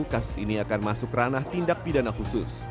kasus ini akan masuk ranah tindak pidana khusus